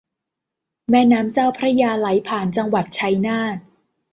แม่น้ำเจ้าพระยาไหลผ่านจังหวัดชัยนาท